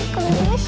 kau ini mesya